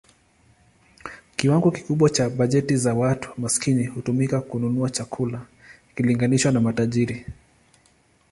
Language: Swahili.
Kiwango kikubwa cha bajeti za watu maskini hutumika kununua chakula ikilinganishwa na matajiri.